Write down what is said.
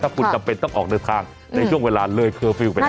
ถ้าคุณจำเป็นต้องออกเนื้อทางในช่วงเวลาเล่นเคอร์ฟิลไปนะ